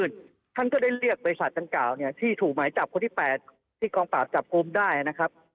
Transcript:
ท่านก็ได้เรียกบริษัทดังกล่าวเนี่ยที่ถูกหมายจับคนที่๘ที่กองปราบจับกลุ่มได้นะครับ